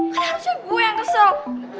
kan harusnya gue yang kesel